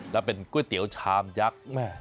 แล้วเป็นก๋วยเตี๋ยวชามยักษ์แม่